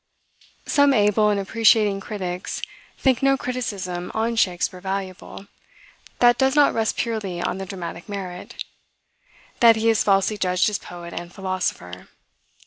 Some able and appreciating critics think no criticism on Shakspeare valuable, that does not rest purely on the dramatic merit; that he is falsely judged as poet and philosopher.